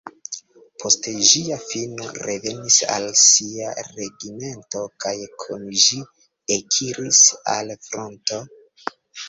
Post ĝia fino revenis al sia regimento kaj kun ĝi ekiris al fronto.